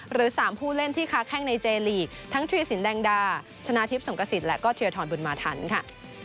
หรือ๓ผู้เล่นที่ค้าแข้งในเจลีกทั้งถุยศิลป์แดงดาชนะทิพย์สงกสิทธิ์และถุยธรรมบุญมาธรรมค่ะ